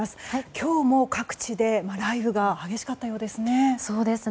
今日も各地で雷雨が激しかったようですね。